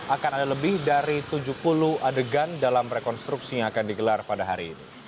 akan ada lebih dari tujuh puluh adegan dalam rekonstruksi yang akan digelar pada hari ini